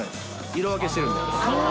色分けしてるんで。